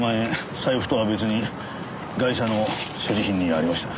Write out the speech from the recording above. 財布とは別にガイシャの所持品にありました。